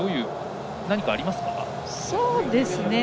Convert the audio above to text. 何かありますか？